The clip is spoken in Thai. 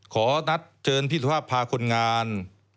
ขอนัดเชิญพี่สุภาพพาคนงาน